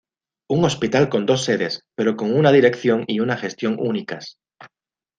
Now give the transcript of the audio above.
Un hospital con dos sedes, pero con una dirección y una gestión únicas.